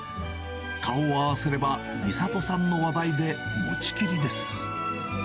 顔を合わせれば美里さんの話題で持ちきりです。